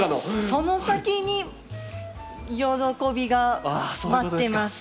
その先に喜びが待ってます。